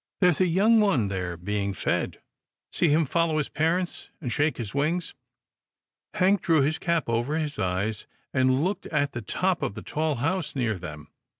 There's a young one there being fed. See him fol low his parents, and shake his wings." Hank drew his cap over his eyes, and looked at the top of the tall house near them.